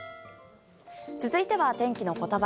続いては、天気のことば。